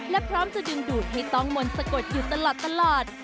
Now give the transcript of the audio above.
และพร้อมจะดึงดูดให้ต้องมนต์สะกดอยู่ตลอด